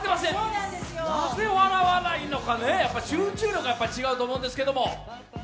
なぜ笑わないのかね、集中力が違うと思うんですけど。